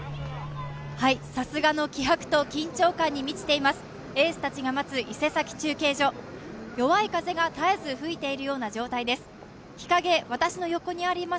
さすがの気迫と緊張感に満ちています